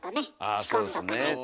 仕込んどかないと。